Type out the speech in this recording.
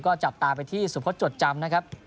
ก็จับตาไปที่สุพธจดจำนะครับ